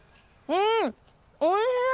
うんおいしい！